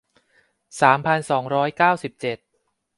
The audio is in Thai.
สามพันสองร้อยเก้าสิบเจ็ด